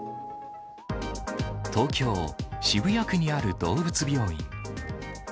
東京・渋谷区にある動物病院。